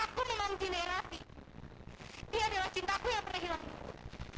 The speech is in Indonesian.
aku memang cintai rafiq dia adalah cintaku yang pernah hilangku